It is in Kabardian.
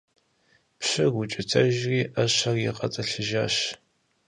Пщыр укӀытэжри, Ӏэщэр игъэтӀылъыжащ.